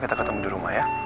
kita ketemu di rumah ya